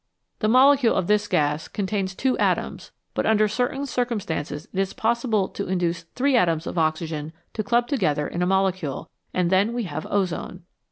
The molecule of this gas contains two atoms, but under certain circumstances it is possible to induce three atoms of oxygen to club together in a mole cule, and then we have ozone.